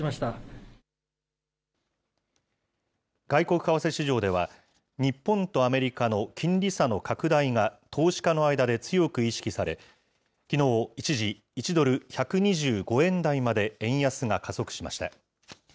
外国為替市場では、日本とアメリカの金利差の拡大が投資家の間で強く意識され、きのう、一時、１ドル１２５円台まで円安が加速しました。